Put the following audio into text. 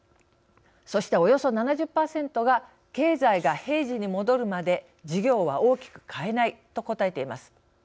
そして、およそ７０％が経済が平時に戻るまで事業は大きく変えないと答えています。